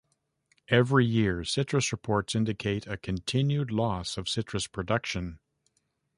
Every year citrus reports indicate a continued loss of citrus production.